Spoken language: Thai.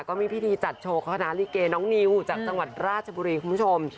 ก็มีพิธีจัดโชว์เขานะลิเกน้องนิวจากจังหวัดราชบุรีคุณผู้ชม